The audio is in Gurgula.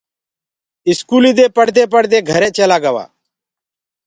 اسڪولي مي پڙهدي پڙهدي گھري چيلآ گوآ